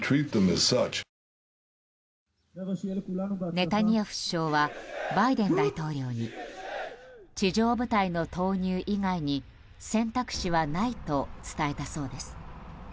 ネタニヤフ首相はバイデン大統領に地上部隊の投入以外に選択肢はないと伝えたそうです。